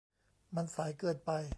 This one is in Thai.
มันสายเกินไป